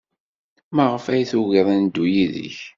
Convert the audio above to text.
Maɣef ay tugid ad neddu yid-k?